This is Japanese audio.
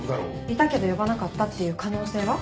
いたけど呼ばなかったっていう可能性は？